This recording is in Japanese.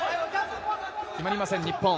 決まりません、日本。